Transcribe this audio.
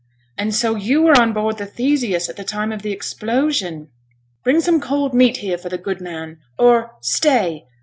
'And so you were on board the Theseus at the time of the explosion? Bring some cold meat here for the good man or stay!